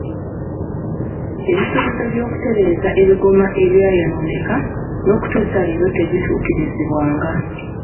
Ebisuubizo by'okutereeza ebigoma ebyayonooneka n'okutuusa leero tebituukirizibwanga.